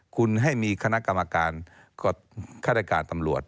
คุณให้มีคณะกรรมการฆาตการตำรวจ